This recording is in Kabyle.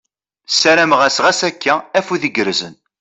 Ssarameɣ-as ɣas akka, afud igerrzen !